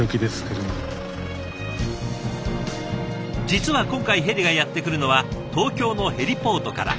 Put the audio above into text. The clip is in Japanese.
実は今回ヘリがやって来るのは東京のヘリポートから。